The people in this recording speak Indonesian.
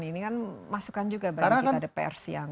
ini kan masukan juga bagi kita ada pers yang